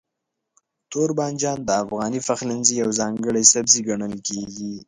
توربانجان د افغاني پخلنځي یو ځانګړی سبزی ګڼل کېږي.